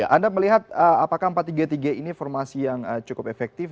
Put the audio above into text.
anda melihat apakah empat tiga tiga ini formasi yang cukup efektif